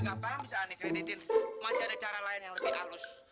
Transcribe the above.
gampang bisa dikreditin masih ada cara lain yang lebih halus